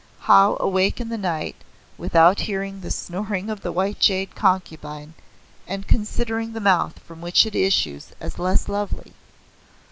How awake in the night without hearing the snoring of the White Jade Concubine and considering the mouth from which it issues as the less lovely.